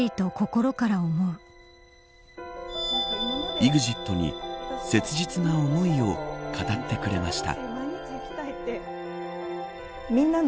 ＥＸＩＴに切実な思いを語ってくれました。